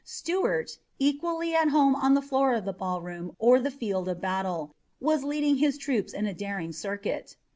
Stuart, equally at home on the floor of the ballroom or the field of battle, was leading his troopers in a daring circuit.